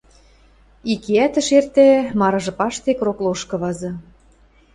ик иӓт ӹш эртӹ, марыжы паштек рок лошкы вазы.